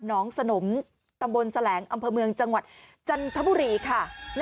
น้องสนมตำบลแสลงอำเภอเมืองจังหวัดจันทบุรีค่ะ